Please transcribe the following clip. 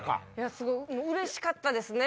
すごいうれしかったですね。